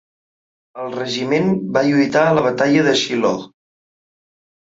El regiment va lluitar a la batalla de Shiloh.